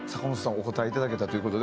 お答えいただけたという事で。